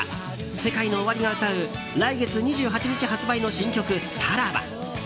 ＳＥＫＡＩＮＯＯＷＡＲＩが歌う来月２８日発売の新曲「サラバ」。